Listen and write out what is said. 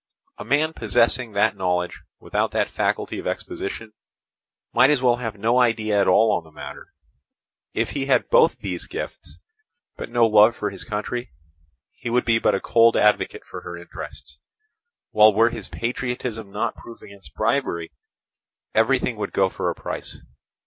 A man possessing that knowledge without that faculty of exposition might as well have no idea at all on the matter: if he had both these gifts, but no love for his country, he would be but a cold advocate for her interests; while were his patriotism not proof against bribery, everything would go for a price.